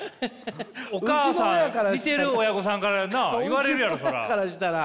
お母さん見てる親御さんからな言われるやろそりゃ。